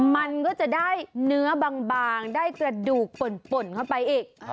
มันก็จะได้เนื้อบางได้กระดูกป่นเข้าไปอีก